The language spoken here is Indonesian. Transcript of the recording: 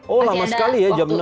oh lama sekali ya jam enam